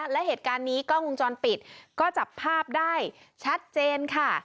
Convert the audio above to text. และเหตุการณ์นี้กล้องวงจรปิดก็จับภาพได้ชัดเจนค่ะ